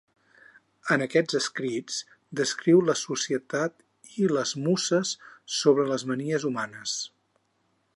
En aquests escrits, descriu la societat i les muses sobre les manies humanes.